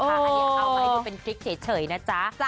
เอาไว้เป็นคลิกเฉยนะจ๊ะ